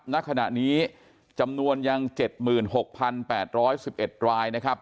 ณขณะนี้จำนวนยัง๗๖๘๑๑รายนะครับ